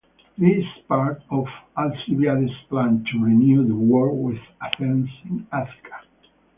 This was part of Alcibiades's plan to renew the war with Athens in Attica.